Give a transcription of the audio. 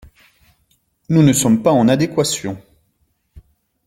Nous ne sommes pas en adéquation.